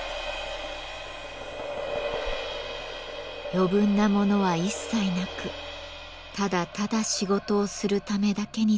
余分なものは一切なくただただ仕事をするためだけに作られた姿。